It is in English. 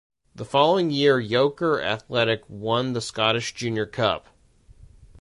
The following year Yoker Athletic won the Scottish Junior Cup.